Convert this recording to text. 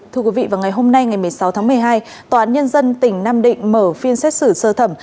thưa quý vị vào ngày hôm nay ngày một mươi sáu tháng một mươi hai tòa án nhân dân tỉnh nam định mở phiên xét xử sơ thẩm